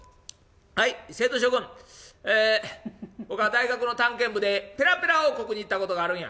「はい生徒諸君僕は大学の探検部でペラペラ王国に行ったことがあるんや」。